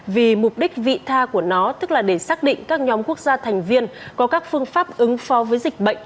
vì mục đích vị tha của nó tức là để xác định các nhóm quốc gia thành viên có các phương pháp ứng phó với dịch bệnh